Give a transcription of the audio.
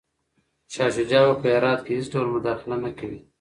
شاه شجاع به په هرات کي هیڅ ډول مداخله نه کوي.